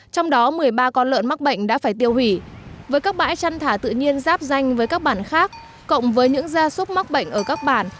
trong đó một mươi ba con lợn mắc bệnh đã phải tiêu hủy với các bãi chăn thả tự nhiên giáp danh với các bản khác cộng với những gia súc mắc bệnh ở các bản